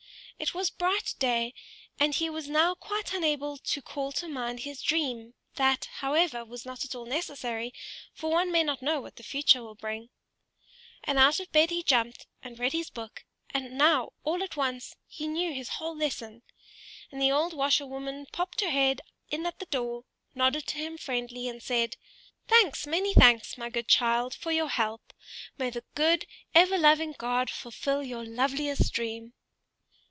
It was bright day, and he was now quite unable to call to mind his dream; that, however, was not at all necessary, for one may not know what the future will bring. And out of bed he jumped, and read in his book, and now all at once he knew his whole lesson. And the old washerwoman popped her head in at the door, nodded to him friendly, and said, "Thanks, many thanks, my good child, for your help! May the good ever loving God fulfil your loveliest dream!"